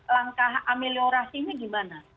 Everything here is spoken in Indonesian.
langkah ameliorasinya gimana